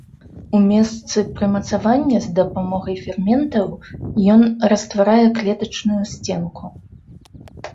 У месцы прымацавання з дапамогай ферментаў ён растварае клетачную сценку.